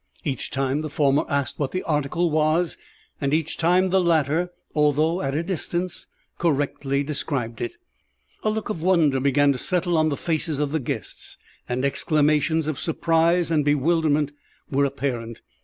Each time the former asked what the article was, and each time the latter, although at a distance, correctly described it. A look of wonder began to settle on the faces of the guests, and exclamations of surprise and bewilderment were apparent.